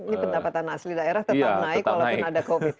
ini pendapatan asli daerah tetap naik walaupun ada covid